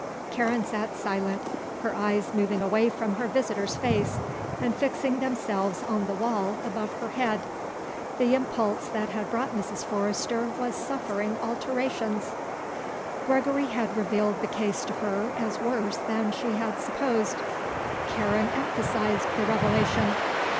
Karen sat silent, her eyes moving away from her visitor's face and fixing themselves on the wall above her head. The impulse that had brought Mrs. Forrester was suffering alterations. Gregory had revealed the case to her as worse than she had supposed; Karen emphasized the revelation.